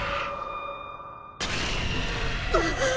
あっ！